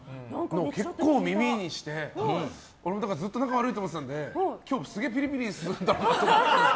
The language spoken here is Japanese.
結構耳にして俺もずっと仲悪いと思っていたので今日、すげえピリピリするんだろうなって。